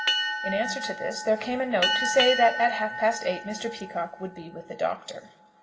In answer to this there came a note to say that at half past eight Mr. Peacocke would be with the Doctor.